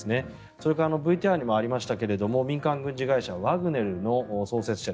それからＶＴＲにもありましたけれども民間軍事会社ワグネルの創設者